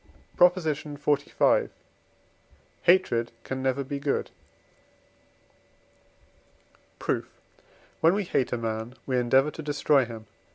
PROP. XLV. Hatred can never be good. Proof. When we hate a man, we endeavour to destroy him (III.